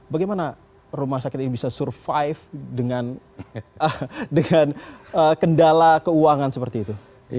bagaimana rumah sakit ini bisa survive dengan kendala keuangan seperti itu